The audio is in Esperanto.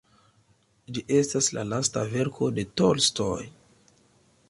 Ĝi estas la lasta verko de Tolstoj.